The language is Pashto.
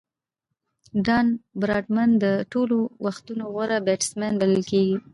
ډان براډمن د ټولو وختو غوره بيټسمېن بلل کیږي.